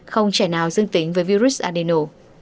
không trẻ nào dương tính với virus adeno